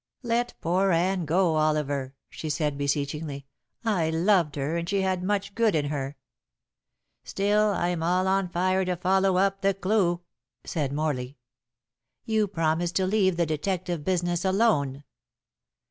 "Let poor Anne go, Oliver," she said beseechingly; "I loved her, and she had much good in her." "Still, I'm all on fire to follow up the clue," said Morley. "You promised to leave the detective business alone."